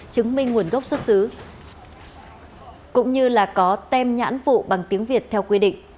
chứng minh nguồn gốc xuất xứ cũng như là có tem nhãn vụ bằng tiếng việt theo quy định